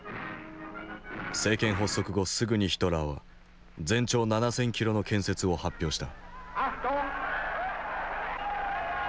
政権発足後すぐにヒトラーは全長７，０００キロの建設を発表した。